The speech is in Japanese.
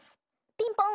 ピンポン！